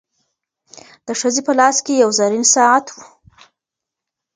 د ښځي په لاس کي یو زرین ساعت و.